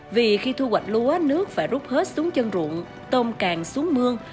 vì khi thu hoạch lúa nước phải rút hết xuống chân ruộng tôm càng xuống mương